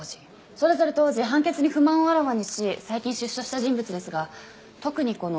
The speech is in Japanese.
それぞれ当時判決に不満をあらわにし最近出所した人物ですが特にこの秋葉浩二